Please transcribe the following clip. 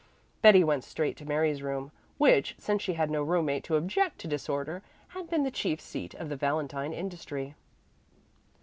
Betty went straight to Mary's room, which, since she had no roommate to object to disorder, had been the chief seat of the valentine industry.